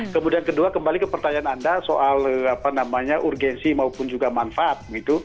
kemudian kedua kembali ke pertanyaan anda soal urgensi maupun juga manfaat